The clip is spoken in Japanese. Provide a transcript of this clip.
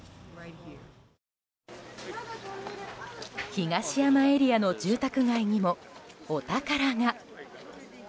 東山エリアの住宅街にもお宝が。